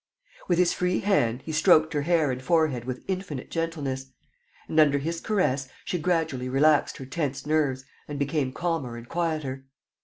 ..." With his free hand, he stroked her hair and forehead with infinite gentleness; and, under his caress, she gradually relaxed her tense nerves and became calmer and quieter.